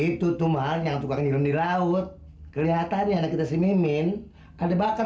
itu tuh malah yang tukang nyilem di laut kelihatannya anak kita si mimin ada bakat